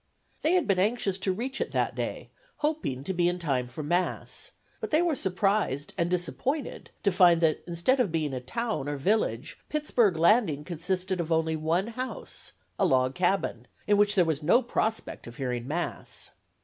They had been anxious to reach it that day, hoping to be in time for Mass; but they were surprised and disappointed to find that, instead of being a town or village, Pittsburg Landing consisted of only one house, a log cabin, in which there was no prospect of hearing Mass.